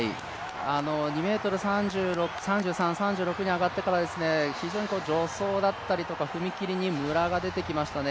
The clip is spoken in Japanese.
２ｍ３３、３６に上がってから非常に助走だったりとか踏み切りにむらが出てきましたね。